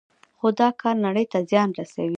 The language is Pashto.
خو دا کار نړۍ ته زیان رسوي.